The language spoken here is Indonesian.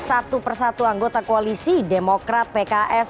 satu persatu anggota koalisi demokrat pks